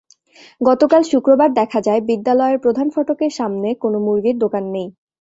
গতকাল শুক্রবার দেখা যায়, বিদ্যালয়ের প্রধান ফটকের সামনে কোনো মুরগির দোকান নেই।